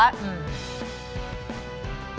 อืม